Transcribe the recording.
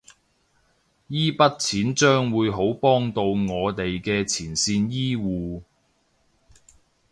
依筆錢將會好幫到我哋嘅前線醫護